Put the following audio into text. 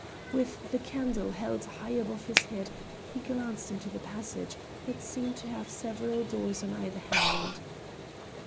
With the candle held high above his head he glanced into the passage, that seemed to have several doors on either hand.